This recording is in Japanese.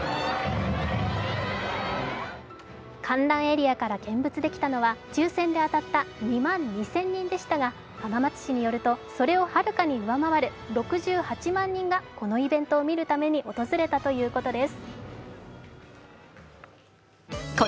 観覧エリアから見物できたのは抽選で当たった２万２０００人でしたが浜松市によると、それをはるかに上回る６８万人がこのイベントを見るために訪れたということです。